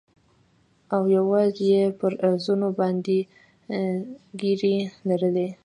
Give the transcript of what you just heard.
او يوازې يې پر زنو باندې ږيرې لرلې.